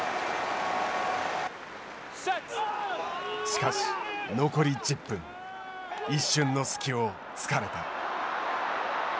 しかし残り１０分、一瞬の隙をつかれた。